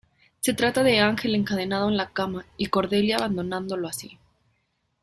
Se trata de Ángel encadenado en la cama y Cordelia abandonándolo así".